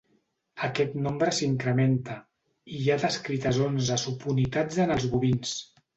Aquest nombre s'incrementa, i hi ha descrites onze subunitats en els bovins.